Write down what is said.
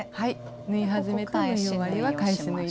縫い始めと縫い終わりは返し縫いで。